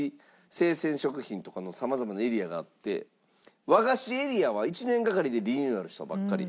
生鮮食品とかの様々なエリアがあって和菓子エリアは１年がかりでリニューアルしたばっかり。